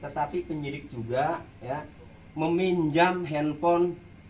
tetapi penyidik juga meminjam handphone